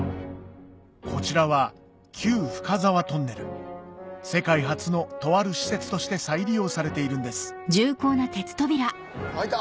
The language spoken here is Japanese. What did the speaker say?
こちらは世界初のとある施設として再利用されているんです開いた！